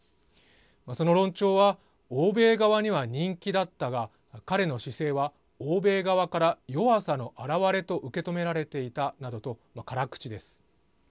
その論調は欧米側には人気だったが彼の姿勢は欧米側から弱さの表れと受け止められていたなどと辛口です。